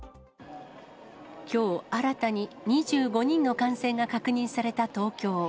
きょう、新たに２５人の感染が確認された東京。